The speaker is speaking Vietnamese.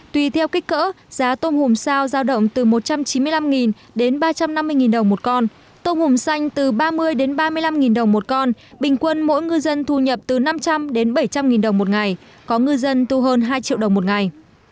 tùy theo kích cỡ giá tôm hùm sao giao động từ một trăm chín mươi năm đến ba trăm năm mươi đồng một con tôm hùm xanh từ ba mươi đến ba mươi năm đồng một con bình quân mỗi ngư dân thu nhập từ năm trăm linh đến bảy trăm linh nghìn đồng một ngày có ngư dân tu hơn hai triệu đồng một ngày